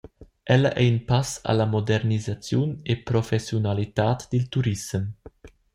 Ella ei in pass alla modernisaziun e professiunalitad dil turissem.